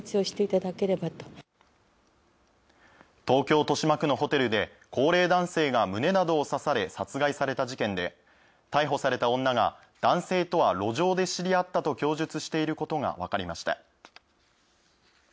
東京・豊島区のホテルで高齢男性が胸などを刺され殺害された事件で、逮捕された女が男性とは路上で知り合ったと供述していることがわかりました。